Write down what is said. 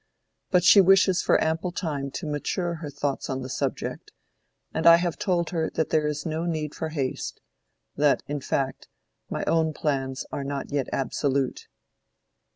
But she wishes for ample time to mature her thoughts on the subject, and I have told her that there is no need for haste—that, in fact, my own plans are not yet absolute."